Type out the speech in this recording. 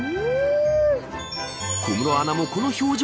小室アナもこの表情。